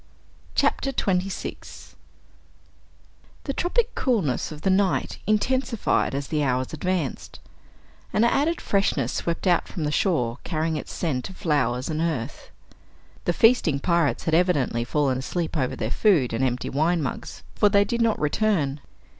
CHAPTER 26 The tropic coolness of the night intensified as the hours advanced. An added freshness swept out from the shore carrying its scent of flowers and earth. The feasting pirates had evidently fallen asleep over their food and empty wine mugs, for they did not return.